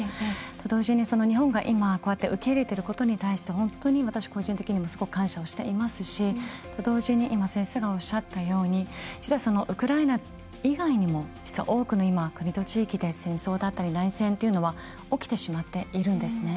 と同時に、日本が今、こうやって受け入れていることに対して本当に私個人的にも、すごく感謝をしていますし、と同時に今、先生がおっしゃったようにウクライナ以外にも実は、多くの国と地域で戦争だったり内戦が起きてしまっているんですね。